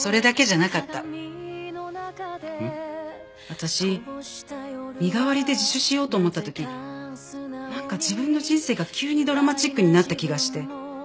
私身代わりで自首しようと思った時なんか自分の人生が急にドラマチックになった気がして。